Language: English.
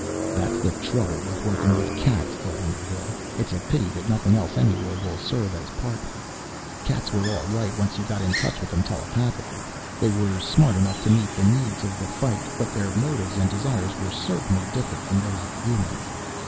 That's the trouble with working with cats, thought Underhill. It's a pity that nothing else anywhere will serve as Partner. Cats were all right once you got in touch with them telepathically. They were smart enough to meet the needs of the fight, but their motives and desires were certainly different from those of humans.